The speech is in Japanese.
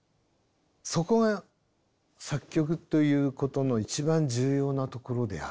そこが作曲ということの一番重要なところであると。